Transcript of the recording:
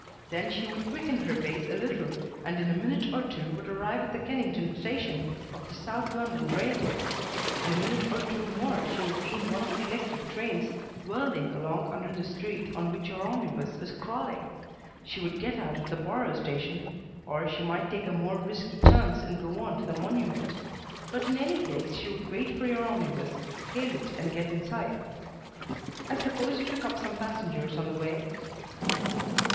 Then she would quicken her pace a little and in a minute or two would arrive at the Kennington Station of the South London Railway. In a minute or two more she would be in one of the electric trains whirling along under the street on which your omnibus was crawling. She would get out at the Borough Station, or she might take a more risky chance and go on to the Monument; but in any case she would wait for your omnibus, hail it and get inside. I suppose you took up some passengers on the way?"